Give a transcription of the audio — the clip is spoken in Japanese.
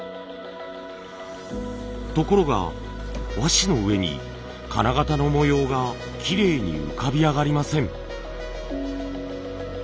ところが和紙の上に金型の模様がきれいに浮かび上がりません。